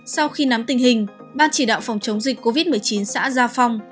sau khi nắm tình hình ban chỉ đạo phòng chống dịch covid một mươi chín xã gia phong